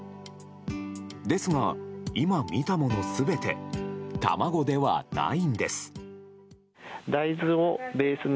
ですが、今見たもの全て卵ではないんです。